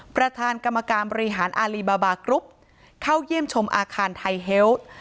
ประธานกรรมการบริหารอารีบาบากรุ๊ปเข้าเยี่ยมชมอาคารไทยเฮล์